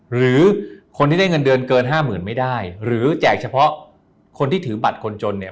หรือคนที่ได้เงินเดือนเกินห้าหมื่นไม่ได้หรือแจกเฉพาะคนที่ถือบัตรคนจนเนี่ย